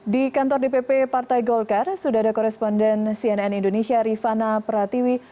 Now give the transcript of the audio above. di kantor dpp partai golkar sudah ada koresponden cnn indonesia rifana pratiwi